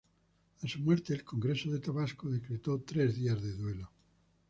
A su muerte, el Congreso de Tabasco decretó tres días de duelo.